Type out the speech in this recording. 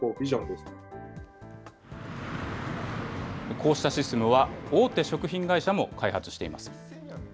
こうしたシステムは、大手食品会社も開発しています。